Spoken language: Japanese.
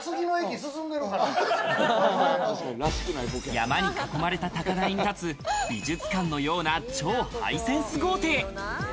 山に囲まれた高台に建つ、美術館のような超ハイセンス豪邸。